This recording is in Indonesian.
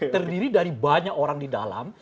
terdiri dari banyak orang di dalam